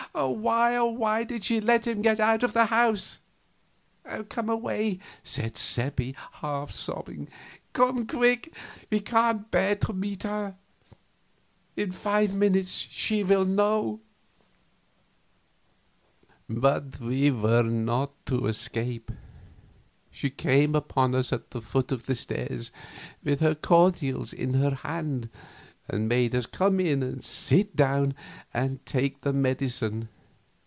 Why, oh, why did she let him get out of the house!" "Come away," said Seppi, half sobbing, "come quick we can't bear to meet her; in five minutes she will know." But we were not to escape. She came upon us at the foot of the stairs, with her cordials in her hands, and made us come in and sit down and take the medicine.